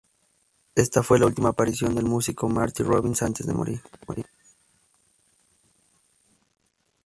Esta fue la última aparición del músico Marty Robbins antes de morir.